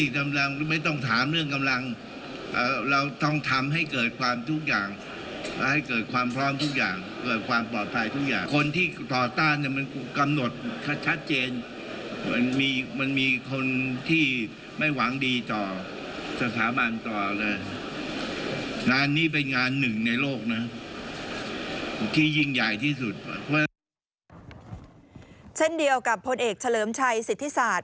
เช่นเดียวกับพลเอกเฉลิมชัยสิทธิศาสตร์